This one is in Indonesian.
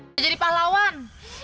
hai jadi pahlawan